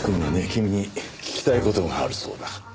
君に聞きたい事があるそうだ。